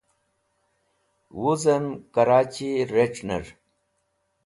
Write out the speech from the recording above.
Wuzem Karachi Rec̃hner